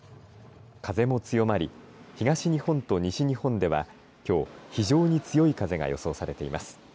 風も強まり東日本と西日本ではきょう、非常に強い風が予想されています。